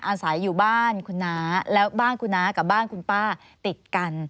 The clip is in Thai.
อาศัยอยู่บ้านคุณน้าแล้วบ้านคุณน้ากับบ้านคุณป้าติดกัน